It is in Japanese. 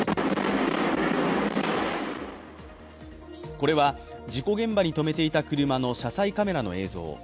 これは、事故現場にとめていた車の車載カメラの映像。